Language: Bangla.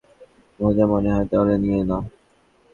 তারে, যদি নিজের ভাইকে এতোই বোঝা মনে হয়, তাহলে নিয়ো না!